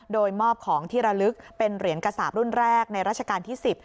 โดยมอบของที่ระลึกเป็นเหรียญกระสาปรุ่นแรกในราชการที่๑๐